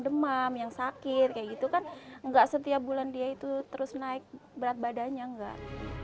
demam yang sakit kayak gitu kan enggak setiap bulan dia itu terus naik berat badannya enggak